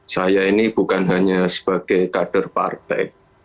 saya ini bukan hanya sebagai kader partai